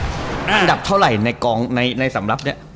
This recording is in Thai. อันดับเท่าไหร่ในกองในสำรับเนี่ย